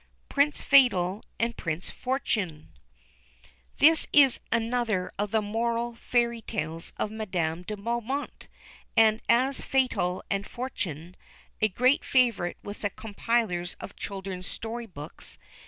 PRINCE FATAL AND PRINCE FORTUNÉ. This is another of the moral Fairy Tales of Madame de Beaumont, and, as Fatal and Fortuné, a great favourite with the compilers of children's story books.